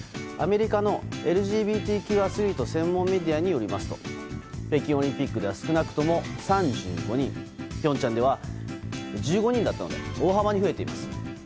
アメリカのＬＧＢＴＱアスリート専門メディアによりますと、北京オリンピックでは少なくとも３５人、ピョンチャンでは１５人だったので、大幅に増えています。